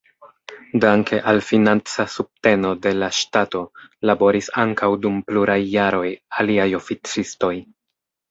Danke al financa subteno de la ŝtato, laboris ankaŭ dum pluraj jaroj aliaj oficistoj.